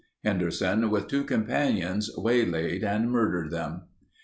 Henderson, with two companions waylaid and murdered them.